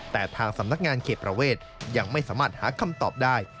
แต่ทางสำนักงานเขตประเวทยังไม่สามารถหาคำตอบได้